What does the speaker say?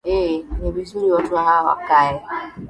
eeh ni vizuri watu hawa wakae